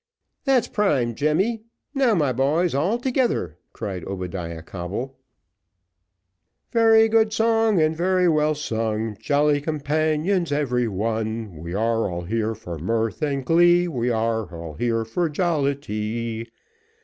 "That's prime, Jemmy. Now, my boys, all together," cried Obadiah Coble. Chorus. Very good song, and very well sung, Jolly companions every one; We are all here for mirth and glee, We are all here for jollity.